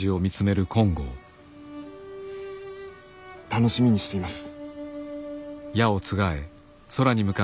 楽しみにしています。